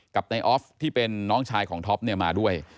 กับนายออฟที่เป็นน้องชายของท็อปเนี่ยมาด้วย